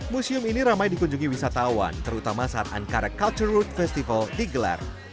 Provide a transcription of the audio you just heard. museum ini ramai dikunjungi wisatawan terutama saat ankara culture road festival digelar